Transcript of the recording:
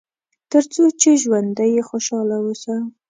تر څو چې ژوندی یې خوشاله اوسه.